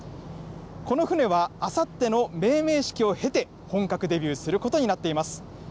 この船はあさっての命名式を経て、本格デビューすることになっています。